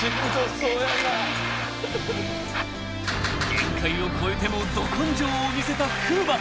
［限界を超えてもど根性を見せた風磨］